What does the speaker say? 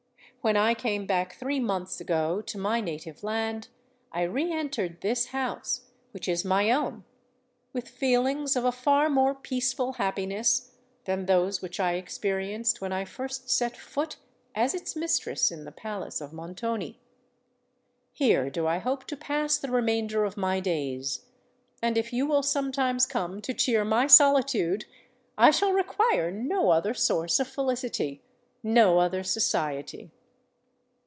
When I came back three months ago to my native land, I re entered this house—which is my own—with feelings of a far more peaceful happiness than those which I experienced when I first set foot as its mistress in the palace of Montoni. Here do I hope to pass the remainder of my days; and if you will sometimes come to cheer my solitude, I shall require no other source of felicity—no other society."